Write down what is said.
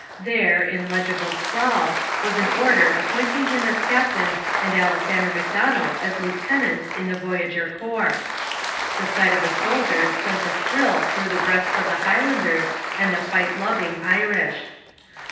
There, in legible scrawl, was an order appointing him as captain and Alexander Macdonell as lieutenant in the Voyageur Corps. The sight of a soldier sent a thrill through the breasts of the Highlanders and the fight loving Irish.